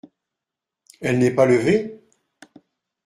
Elle n’est pas levée ?…